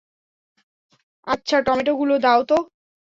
আচ্ছা, টমেটোগুলো দাও তো।